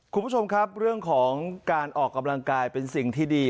คุณผู้ชมครับเรื่องของการออกกำลังกายเป็นสิ่งที่ดี